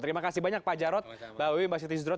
terima kasih banyak pak jarod mbak wiwi mbak siti sidrot